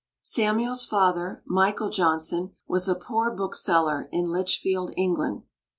Samuel's father Michael Johnson, was a poor bookseller in Lichfield, England.